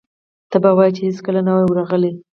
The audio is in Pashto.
ته به وایې چې هېڅکله نه و راغلي.